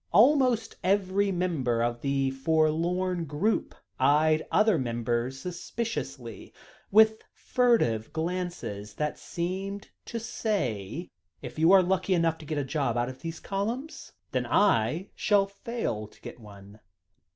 Almost every member of the forlorn group eyed every other member suspiciously, with furtive glances, that seemed to say: "If you are lucky enough to get a job out of those columns, then I shall fail to get one.